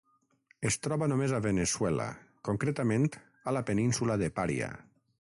Es troba només a Veneçuela, concretament a la península de Pària.